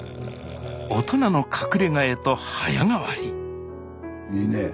大人の隠れがへと早変わりスタジオいいね。